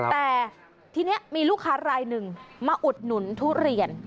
แต่ทีนี้มีลูกค้ารายหนึ่งมาอุดหนุนทุเรียน